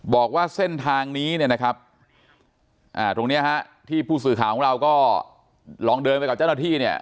บอกว่าเส้นทางนี้เนี่ยนะครับตรงนี้ฮะที่ผู้สื่อข่าวของเราก็ลองเดินไปกับเจ้าหน้าที่เนี่ย